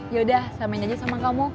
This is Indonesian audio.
ya udah samain aja sama kamu